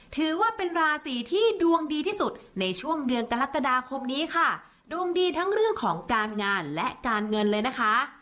ถือว่าเป็นราศีที่ดวงดีที่สุดในช่วงเดือนกรกฎาคมนี้ค่ะดวงดีทั้งเรื่องของการงานและการเงินเลยนะคะ